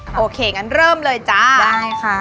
อันนี้อันนู้นใส่เกลือใช่ค่ะ